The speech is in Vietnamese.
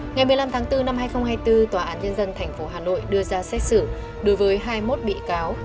ngày một mươi năm tháng bốn năm hai nghìn hai mươi bốn tòa án nhân dân tp hà nội đưa ra xét xử đối với hai mươi một bị cáo